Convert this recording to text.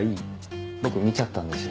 僕見ちゃったんですよ。